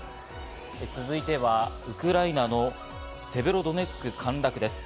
続いてはウクライナのセベロドネツク陥落です。